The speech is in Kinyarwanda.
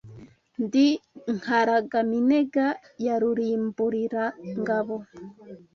Ndi Nkaragaminega ya Rubimbulirangabo